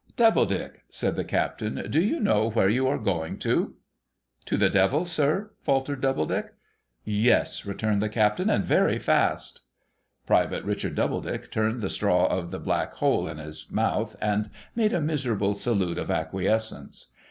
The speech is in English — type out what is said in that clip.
' Doubledick,' said the Captain, ' do you know where you are going to ?'' To the Devil, sir ?' faltered Doubledick. ' Yes,' returned the Captain. ' And very fast.' Private Richard Doubledick turned the straw of the Black hole in his mouth, and made a miserable salute of acquiescence.